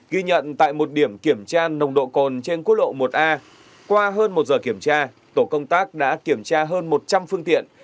ghi nhận tại một điểm kiểm tra nồng độ cồn trên quốc lộ một a qua hơn một giờ kiểm tra tổ công tác đã kiểm tra hơn một trăm linh phương tiện